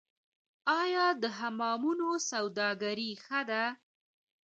آیا د حمامونو سوداګري ښه ده؟